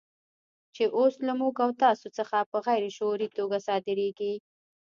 چې اوس له موږ او تاسو څخه په غیر شعوري توګه صادرېږي.